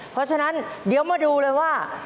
เพราะฉะนั้นเดี๋ยวมาดูเลยว่า